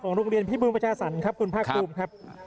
ของโรงเรียนพิมพ์มรชาศัลครับคุณภาพภูมิครับ